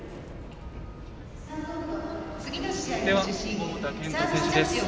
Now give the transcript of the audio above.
桃田賢斗選手です。